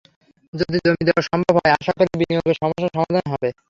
যদি জমি দেওয়া সম্ভব হয়, আশা করি বিনিয়োগের সমস্যার সমাধান হবে।